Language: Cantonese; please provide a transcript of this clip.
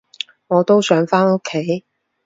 我都想返屋企